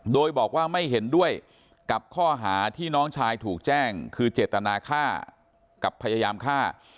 โดยบอกว่าไม่เห็นด้วยกับข้อหาที่น้องชายถูกแจ้งคือเจตนาฆ่ากับพยายามฆ่า